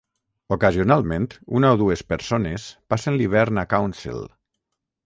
Ocasionalment una o dues persones passen l'hivern a Council.